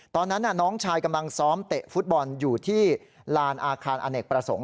ตอนนั้นน้องชายกำลังซ้อมเตะฟุตบอลอยู่ที่ลานอาคารอเนกประสงค์